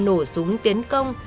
nổ súng tiến công